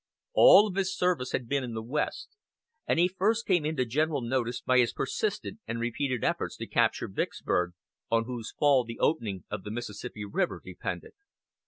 All of his service had been in the West, and he first came into general notice by his persistent and repeated efforts to capture Vicksburg, on whose fall the opening of the Mississippi River depended.